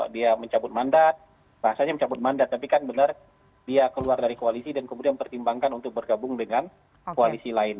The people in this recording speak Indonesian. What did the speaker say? dia mencabut mandat bahasanya mencabut mandat tapi kan benar dia keluar dari koalisi dan kemudian mempertimbangkan untuk bergabung dengan koalisi lain